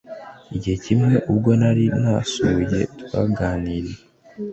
Igihe kimwe ubwo nari namusuye twaraganiriye